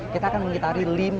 kita akan mengitari